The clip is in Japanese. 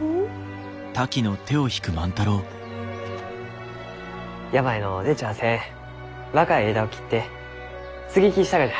うん？病の出ちゃあせん若い枝を切って接ぎ木したがじゃ。